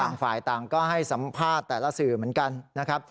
ต่างฝ่ายต่างก็ให้สัมภาษณ์แต่ละสื่อเหมือนกันนะครับ